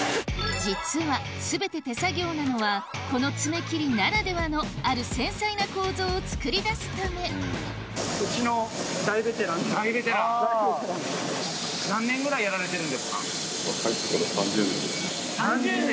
実は全て手作業なのはこの爪切りならではのある繊細な構造をつくり出すため３０年！